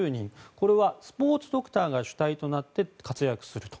これはスポーツドクターが主体となって活躍すると。